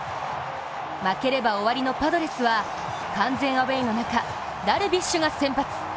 負ければ終わりのパドレスは完全アウェーの中ダルビッシュが先発。